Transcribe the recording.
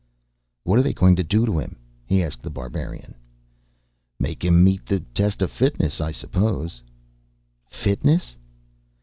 "What are they going to do to him?" he asked The Barbarian. "Make him meet the test of fitness, I suppose." "Fitness?"